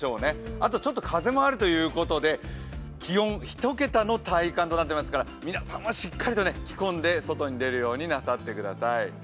あとちょっと風もあるということで、気温１桁の体感となってますから皆さんはしっかりと着込んで外に出るようになさってください。